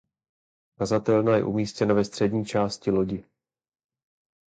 Kazatelna je umístěna ve střední části lodi.